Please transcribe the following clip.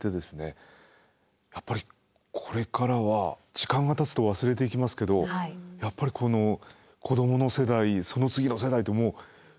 やっぱりこれからは時間がたつと忘れていきますけどやっぱり子どもの世代その次の世代ともうこれはですね